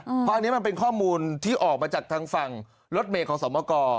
เพราะอันนี้มันเป็นข้อมูลที่ออกมาจากทางฝั่งรถเมย์ของสมกร